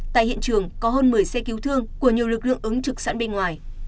tại hiện trường có hơn một mươi xe cứu thương của nhiều lực lượng ứng trực sẵn bên ngoài